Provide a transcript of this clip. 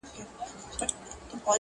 عدالت یې هر سړي ته وو منلی!